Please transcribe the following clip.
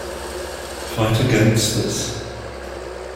Fight against this.